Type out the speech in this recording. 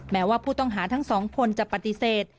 แม้ว่าผู้ต้องหาทั้งสองคนจะปฏิเสธ